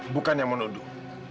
bukan yang menuduh